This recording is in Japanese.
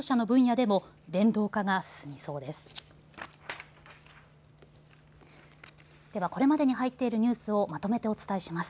では、これまでに入っているニュースをまとめてお伝えします。